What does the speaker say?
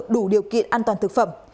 đủ điều kiện an toàn thực phẩm